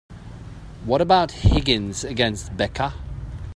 What about Higgins against Becca?